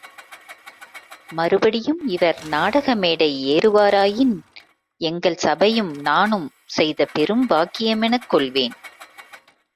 மறுபடியும் இவர் நாட்க மேடை ஏறுவாராயின், எங்கள் சபையும் நானும் செய்த பெரும்பாக்கியமெனக் கொள்வேன்.